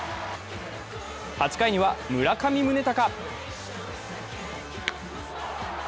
８回には村上宗隆。